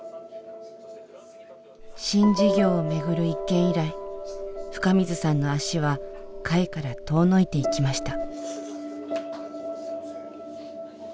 新事業をめぐる一件以来深水さんの足は会から遠のいていきました。